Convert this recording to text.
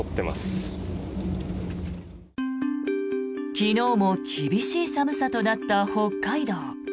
昨日も厳しい寒さとなった北海道。